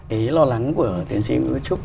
thế lo lắng của tiến sĩ nguyễn quốc trúc